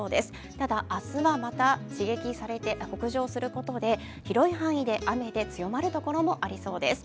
ただ明日はまた刺激されて北上することで広い範囲で雨で、強まるところもありそうです。